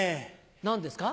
何ですか？